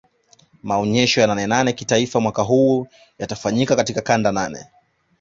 Maonyesho ya nane nane kitaifa mwaka huu tatafanyika katika kanda nane